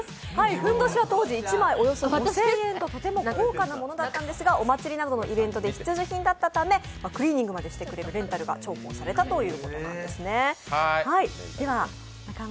ふんどしは当時１枚５０００円ととても高価なものだったんですがお祭りなどのイベントで必需品だったためクリーニングまでしてくれるレンタルが重宝されたということなんですね。